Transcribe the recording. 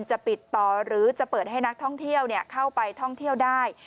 จะปิดต่อหรือจะเปิดให้นักท่องเที่ยวเข้าไปท่องเที่ยวได้